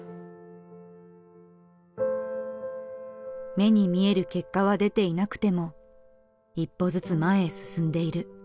「目に見える結果は出ていなくても一歩ずつ前へ進んでいる」。